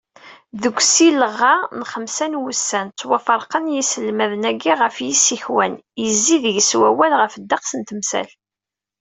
Deg usileɣ-a, n xemsa wussan, ttwaferqen yiselmaden-agi ɣef yisikwan, yezzi deg-s wawal ɣef ddeqs n temsal.